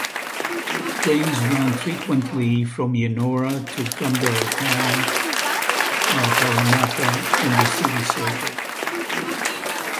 Trains run frequently from Yennora to Campbelltown, Parramatta and the City Circle.